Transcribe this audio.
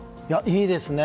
いいですね。